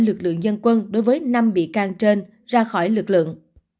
lực lượng dân quân đối với năm bị can trên ra khỏi lực lượng